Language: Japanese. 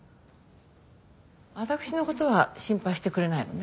私の事は心配してくれないのね。